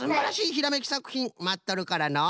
ひらめきさくひんまっとるからの！